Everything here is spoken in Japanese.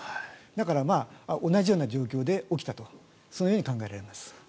だから同じような状況で起きたとそのように考えられます。